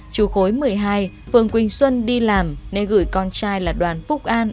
chú khối một mươi hai phường quỳnh xuân đi làm nên gửi con trai là đoàn phúc an